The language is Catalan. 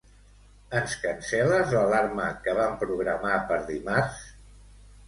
Ens cancel·les l'alarma que vam programar per dimarts?